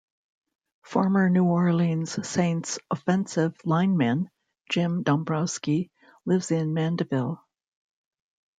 Former New Orleans Saints offensive lineman Jim Dombrowski lives in Mandeville.